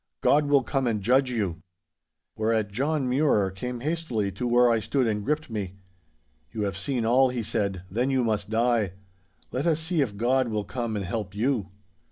God will come and judge you!" 'Whereat John Mure came hastily to where I stood and gripped me. "You have seen all," he said, "then you must die. Let us see if God will come and help you!"